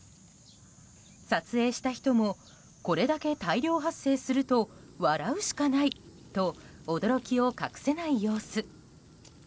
撮影した人もこれだけ大量発生すると笑うしかないと驚きを隠せない様子。